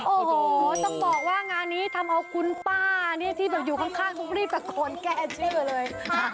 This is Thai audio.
โอ้โหต้องบอกว่างานนี้ทำเอาคุณป้านี่ที่แบบอยู่ข้างไม่ได้แบบโขนแก้ชื่อเลย